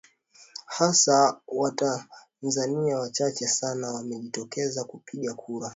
hasa watanzania wachache sana wamejitokeza kupiga kura